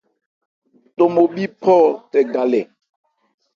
Tobhobhî phɔ tɛ galɛ.